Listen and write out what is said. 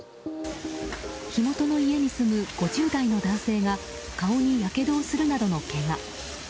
火元の家に住む５０代の男性が顔にやけどをするなどのけが。